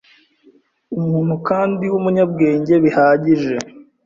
umuntu kandi w’umunyabwenge bihagije